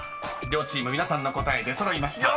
両チーム皆さんの答え出揃いました。